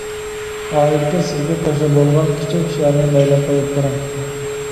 ئائىلىدىكى سىزگە كاشىلا بولغان كىچىك ئىشلارنى مەيلىگە قويۇپ بېرىڭ!